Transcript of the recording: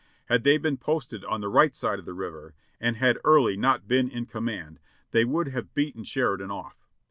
Had they been posted on the right side of the river, and had Early not been in command, they would have beaten Sheridan off.